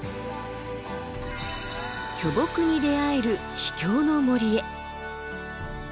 巨木に出会える秘境の森へ。